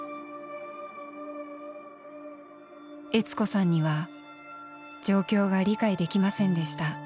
悦子さんには状況が理解できませんでした。